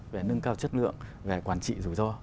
về nâng cao chất lượng về quản trị rủi ro